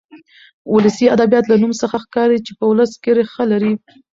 ولسي ادبيات له نوم څخه ښکاري چې په ولس کې ريښه لري.